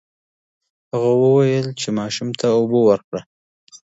هغه وویل چې ماشوم ته اوبه ورکړه.